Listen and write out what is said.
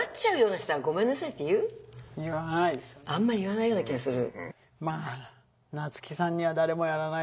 でもさあんまり言わないような気がする。